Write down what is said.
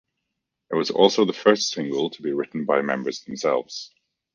It was also the first single to be written by members themselves.